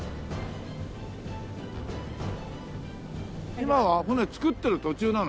今は船造ってる途中なの？